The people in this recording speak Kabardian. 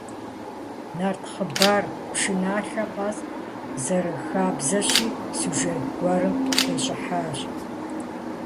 Нарт хъыбар, пшыналъэ къэс, зэрыхабзэщи, сюжет гуэрым тещӏыхьащ.